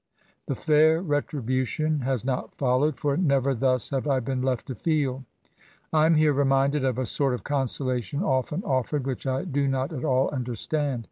The fair retribution has not followed, for never thus have I been left to feel. I am here reminded of a sort of consolation, often offered, which I do not at all understand.